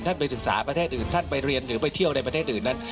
ไปศึกษาประเทศอื่นท่านไปเรียนหรือไปเที่ยวในประเทศอื่นนั้น